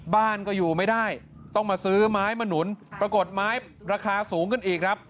บ้านก็อยู่ไม่ได้ต้องมาซื้อไม้มาหนุนปรากฏไม้ราคาสูงขึ้นอีกครับ